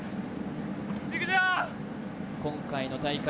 今回の大会